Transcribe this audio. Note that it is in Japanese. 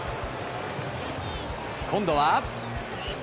今度は。